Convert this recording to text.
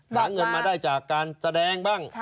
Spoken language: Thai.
หาเงินมาได้จากการแสดงบ้าง